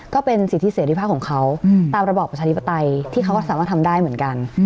ก็เป็นสิทธิเสรีภาพของเขาตามระบอบประชาธิปไตยที่เขาก็สามารถทำได้เหมือนกัน